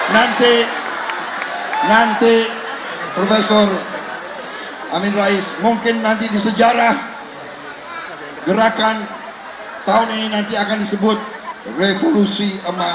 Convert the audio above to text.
nanti nanti profesor amin rais mungkin nanti di sejarah gerakan tahun ini nanti akan disebut revolusi emas